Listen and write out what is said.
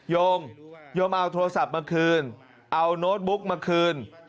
โยมโยมเอาโทรศัพท์มาคืนเอาโน้ตบุ๊กมาคืน